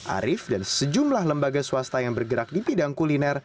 arief dan sejumlah lembaga swasta yang bergerak di bidang kuliner